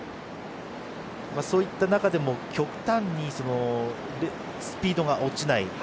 そういった中でも極端にスピードが落ちない。